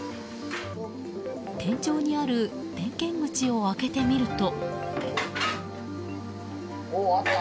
天井にある点検口を開けてみると。